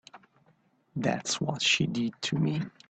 That's what she did to me.